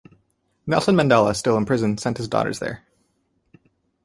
Nelson Mandela, still in prison, sent his daughters there.